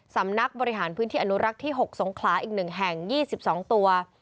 สำนักบริหารพื้นที่อนุรักษ์ที่๖สงขลาอีก๑แห่ง๒๒ตัว